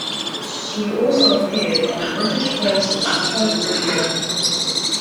She also appeared on British Forces Network radio.